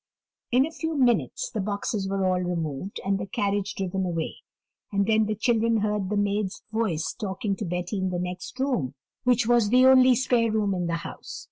In a few minutes the boxes were all removed, and the carriage driven away; and then the children heard the maid's voice talking to Betty in the next room, which was the only spare room in the house.